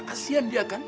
kasian dia kan